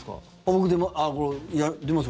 僕、出ます。